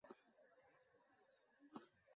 এইজন্য তাঁহাকে একটা ইংরেজি খবরের কাগজ বাহির করিতে হইল।